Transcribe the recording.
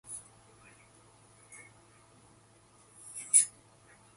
She is an open advocate for therapy.